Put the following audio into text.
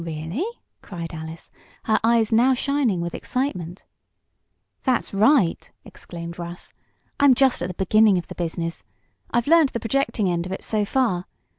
"Really?" cried Alice, her eyes now shining with excitement. "That's right!" exclaimed Russ. "I'm just at the beginning of the business. I've learned the projecting end of it so far.